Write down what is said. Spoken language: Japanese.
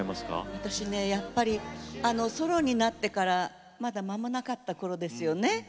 私ね、やっぱりソロになってからまだ間もなかったころですよね。